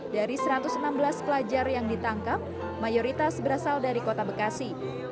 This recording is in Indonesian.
dari satu ratus enam belas pelajar yang ditangkap mayoritas berasal dari kota bekasi